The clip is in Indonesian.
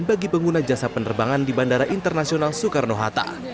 bagi pengguna jasa penerbangan di bandara internasional soekarno hatta